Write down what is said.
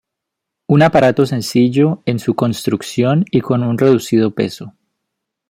Un aparato sencillo en su construcción y con un reducido peso.